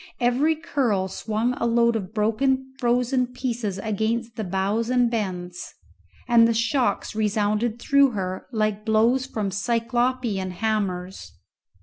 Every curl swung a load of broken frozen pieces against the bows and bends, and the shocks resounded through her like blows from cyclopean hammers.